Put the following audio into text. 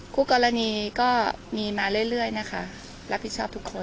คู่กรณีก็มีมาเรื่อยนะคะรับผิดชอบทุกคน